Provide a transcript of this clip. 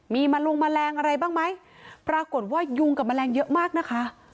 มีแมลงแมลงอะไรบ้างไหมปรากฏว่ายุงกับแมลงเยอะมากนะคะ